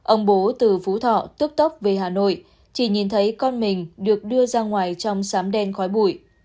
ông bố từ phú thọ tức tốc về hà nội chỉ nhìn thấy con mình được đưa ra ngoài trong sám đen khói bụi